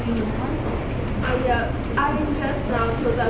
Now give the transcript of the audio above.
เพราะว่าพวกมันต้องรักษาอินเตอร์